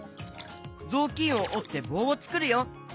ぞうきんをおってぼうをつくるよ。